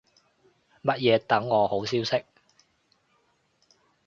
乜嘢等我好消息